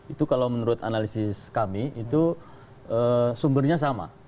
itu kalau menurut analisis kami itu sumbernya sama